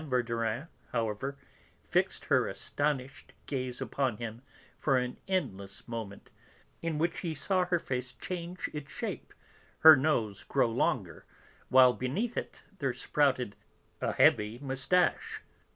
Verdurin, however, fixed her astonished gaze upon him for an endless moment, in which he saw her face change its shape, her nose grow longer, while beneath it there sprouted a heavy moustache.